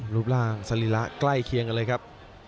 รูปร่างสรีระใกล้เคียงกันเลยครับ